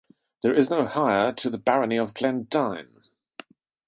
There is no heir to the Barony of Glendyne.